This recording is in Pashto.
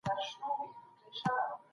فزيکي ځواک د دولت انحصار نه دی.